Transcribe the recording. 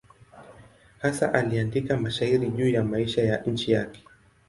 Hasa aliandika mashairi juu ya maisha ya nchi yake.